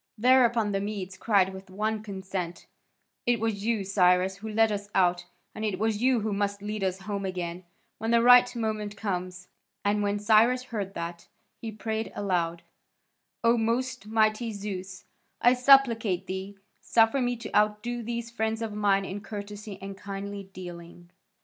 Thereupon the Medes cried with one consent: "It was you, Cyrus, who led us out, and it is you who must lead us home again, when the right moment comes." And when Cyrus heard that, he prayed aloud: "O most mighty Zeus, I supplicate thee, suffer me to outdo these friends of mine in courtesy and kindly dealing."